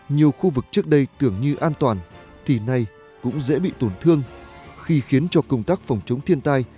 nhiều khu vực trước đây tưởng như an toàn thì nay cũng dễ bị tổn thương khi khiến cho công tác phòng chống thiên tai